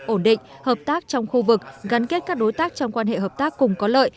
ổn định hợp tác trong khu vực gắn kết các đối tác trong quan hệ hợp tác cùng có lợi